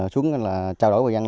xuống trao đổi với văn